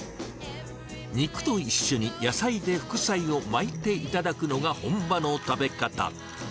肉と一緒に野菜で副菜を巻いて頂くのが、本場の食べ方。